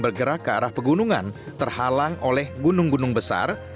bergerak ke arah pegunungan terhalang oleh gunung gunung besar